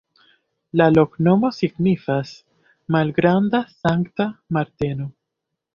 La loknomo signifas: malgranda-Sankta Marteno.